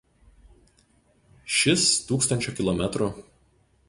Šis tūkstančio km.